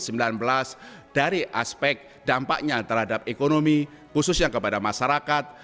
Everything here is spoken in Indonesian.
dari aspek dampaknya terhadap ekonomi khususnya kepada masyarakat